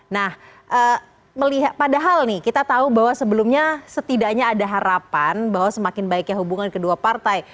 nah padahal nih kita tahu bahwa sebelumnya setidaknya ada harapan bahwa semakin baiknya hubungan kedua partai